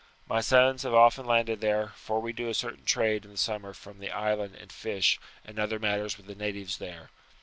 My sons have often landed there, for we do a certain trade in the summer from the island in fish and other matters with the natives there.